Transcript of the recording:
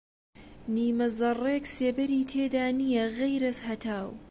نیمە زەڕڕێک سێبەری تێدا نییە غەیرەز هەتاو